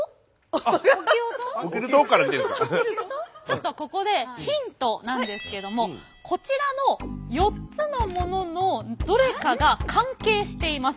ちょっとここでヒントなんですけどもこちらの４つのもののどれかが関係しています。